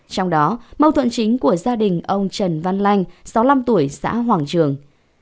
trong đó mâu thuẫn chính của gia đình ông trần văn lanh sáu mươi năm tuổi xã hoàng trường